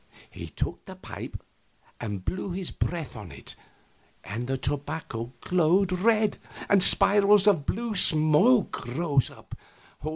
He took the pipe and blew his breath on it, and the tobacco glowed red, and spirals of blue smoke rose up.